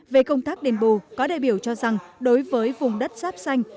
về công tác đền bù có đại biểu cho rằng đối với vùng đất ráp xanh